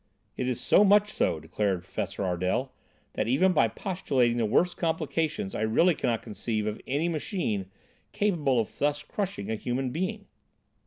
"It is so much so," declared Professor Ardel, "that even by postulating the worst complications I really cannot conceive of any machine capable of thus crushing a human being."